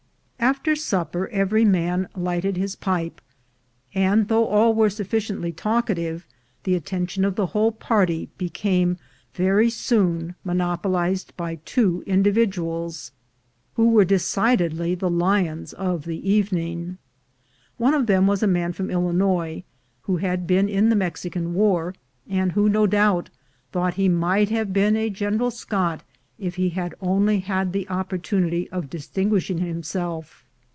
After supper, every man lighted his pipe, and though all were sufficiently talkative, the attention of the whole party became very soon monopolized by two individuals, who were decidedly the lions of the evening. One of them was a man from Illinois, who URSUS HORRIBILIS 176 had been in the Mexican war, and who no doubt thought he might have been a General Scott, if he had only had the opportunity of distinguishing him self.